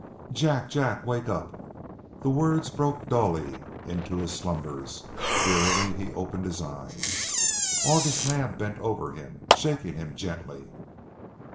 "Jack, Jack, wake up." The words broke dully into his slumbers; wearily he opened his eyes. August Naab bent over him, shaking him gently.